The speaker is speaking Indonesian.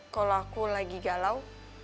kalau aku lagi galau